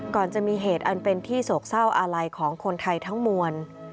ก่อนจะมีเหตุอันเป็นที่โศกเศร้าอาลัยของคนไทยทั้งมวล